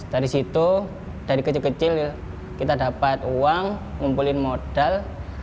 dari situ dari kecil kecil kita dapat uang ngumpulin modal